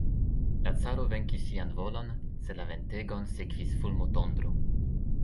La caro venkis sian volon, sed la ventegon sekvis fulmotondro.